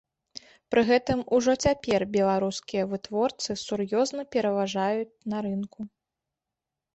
Пры гэтым ужо цяпер беларускія вытворцы сур'ёзна пераважаюць на рынку.